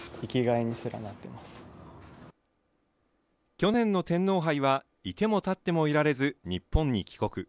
去年の天皇杯は、いてもたってもいられず日本に帰国。